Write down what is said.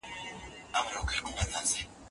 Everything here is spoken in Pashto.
د ښځو مخ او ورغوو ته کتل باک نلري.